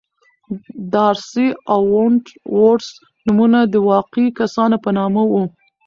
دارسي او ونت وُرث نومونه د واقعي کسانو په نامه وو.